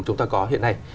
mà chúng ta có hiện nay